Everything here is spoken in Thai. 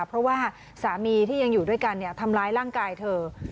เพราะว่าสามีที่ยังอยู่ด้วยกันทำร้ายร่างกายเธอ